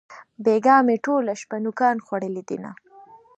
بېگاه مې ټوله شپه نوکان خوړلې دينه